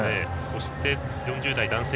そして４０代男性